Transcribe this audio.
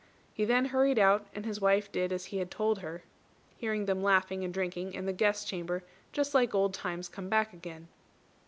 He then hurried out, and his wife did as he had told her, hearing them laughing and drinking in the guest chamber just like old times come back again.